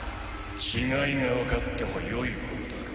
違いが分かってもよい頃だろう